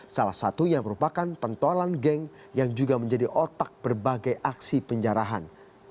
salah satunya merupakan pentolan geng yang juga menjadi otak berbagai aksi penjarahan